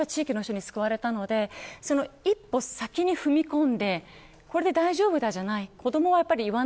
それは地域の方々もそうですし私も地域の方に救われたので一歩先に踏み込んでこれで大丈夫だ、じゃない。